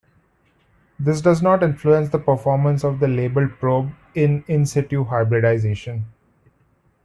This does not influence the performance of the labelled probe in in-situ hybridization.